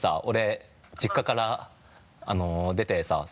俺実家から出てさ。